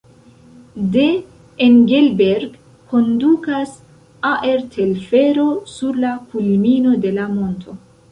De Engelberg kondukas aertelfero sur la kulmino de la monto.